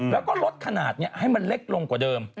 แล้วก็ลดขนาดนี้ให้มันเล็กลงกว่าเดิม